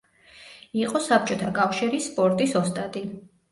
იყო საბჭოთა კავშირის სპორტის ოსტატი.